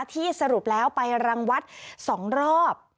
ที่สรุปแล้วไปรังวัด๒รอบ